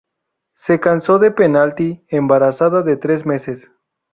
Se casó de penalti, embarazada de tres meses